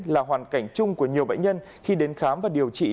là hoàn cảnh chung của nhiều bệnh nhân khi đến khám và điều trị